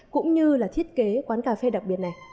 cũng như là thiết kế quán cà phê đặc biệt này